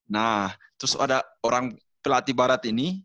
nah terus ada orang pelatih barat ini